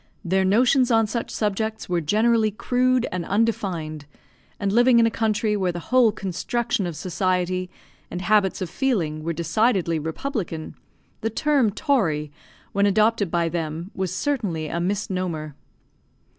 Their notions on such subjects were generally crude and undefined, and living in a country where the whole construction of society and habits of feeling were decidedly republican, the term tory, when adopted by them, was certainly a misnomer.